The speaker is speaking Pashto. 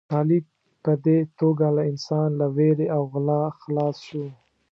کلی په دې توګه له انسان له وېرې او غلا خلاص شو.